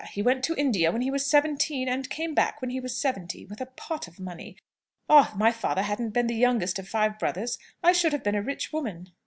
He went to India when he was seventeen, and came back when he was seventy, with a pot of money. Ah, if my father hadn't been the youngest of five brothers, I should have been a rich woman!"